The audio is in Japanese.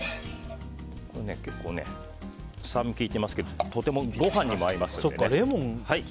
結構、酸味が効いていますけどとてもご飯にも合いますので。